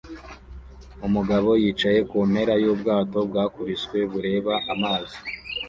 Umugabo yicaye kumpera yubwato bwakubiswe bureba amazi